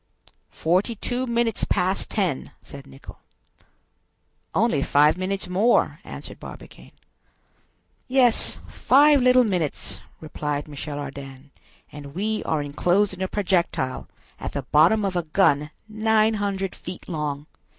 "Forty two minutes past ten!" said Nicholl. "Only five minutes more!" answered Barbicane. "Yes, five little minutes!" replied Michel Ardan; "and we are enclosed in a projectile, at the bottom of a gun 900 feet long!